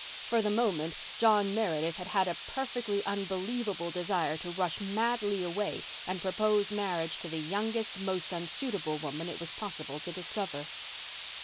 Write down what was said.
For the moment John Meredith had had a perfectly unbelievable desire to rush madly away and propose marriage to the youngest, most unsuitable woman it was possible to discover.